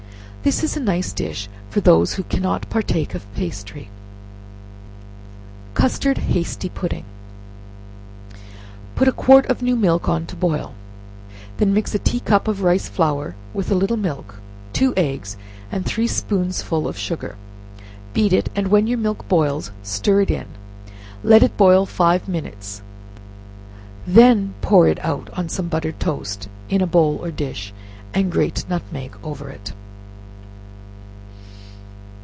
This is a nice dish for those who cannot partake of pastry. Custard Hasty Pudding. Put a quart of new milk on to boil; then mix a tea cup of rice flour with a little milk, two eggs, and three spoonsful of sugar; beat it, and when your milk boils, stir it in; let it boil five minutes when pour it out on some buttered toast, in a bowl or dish, and grate nutmeg over it.